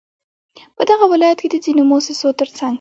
په دغه ولايت كې د ځينو مؤسسو ترڅنگ